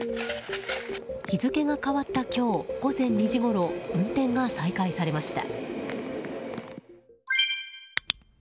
日付が変わった今日午前２時ごろ運転が再開されました。